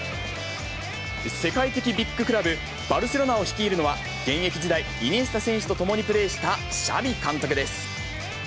世界的ビッグクラブ、バルセロナを率いるのは、現役時代、イニエスタ選手と共にプレーしたシャビ監督です。